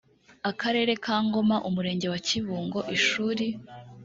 akarere ka ngoma umurenge wa kibungo ishuri